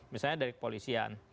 misalnya dari kepolisian